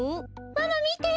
ママみて。